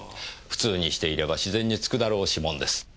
普通にしていれば自然に付くだろう指紋です。